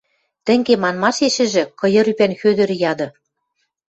Тӹнге манмашешӹжӹ кыйыр ӱпӓн Хӧдӧр яды: